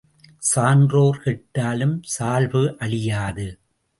சான்றோர் கெட்டாலும் சால்பு அழியாது.